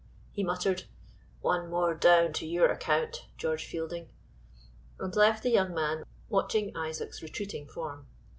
He muttered, "One more down to your account, George Fielding," and left the young man watching Isaac's retreating form.